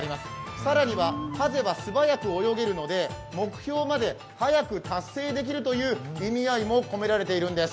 更には、はぜは素早く泳げるので目標まで早く達成できるという意味合いも込められているんです。